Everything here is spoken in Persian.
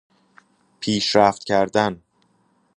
پیشرفت کردن